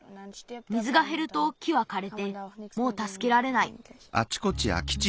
水がへると木はかれてもうたすけられない。